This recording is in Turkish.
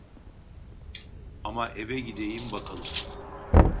Ama eve gideyim bakalım